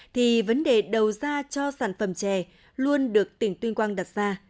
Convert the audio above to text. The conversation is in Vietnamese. thì vấn đề đầu ra cho sản phẩm chè luôn được tỉnh tuyên quang đặt ra